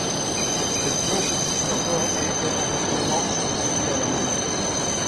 Cette cloche existe encore et est actuellement entreposée à la mairie.